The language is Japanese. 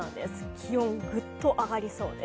気温ぐっと上がりそうです。